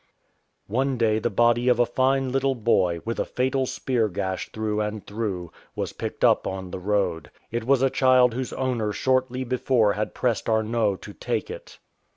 One day the body of a fine little boy, with a fatal spear gash through and through, was picked up on the road. It was a child whose owner shortly before had pressed Arnot to take it.